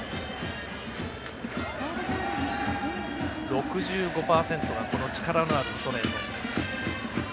６５％がこの力のあるストレート。